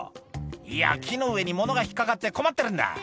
「いや木の上に物が引っ掛かって困ってるんだ」